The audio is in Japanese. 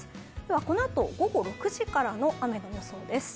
このあと午後６時からの雨の予想です。